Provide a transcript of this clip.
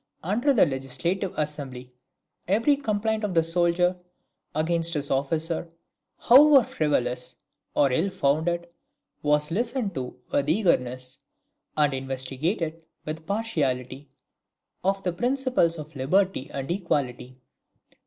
Under the Legislative Assembly every complaint of the soldier against his officer, however frivolous or ill founded, was listened to with eagerness, and investigated with partiality, on the principles of liberty and equality.